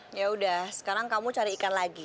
ya udah sekarang kamu cari ikan lagi